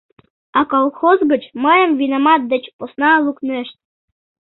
А колхоз гыч мыйым винамат деч посна лукнешт.